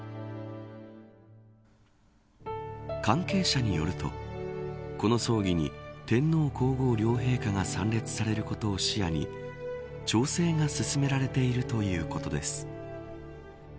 関係者によるとこの葬儀に天皇皇后両陛下が参列されることを視野に調整が進められているということです。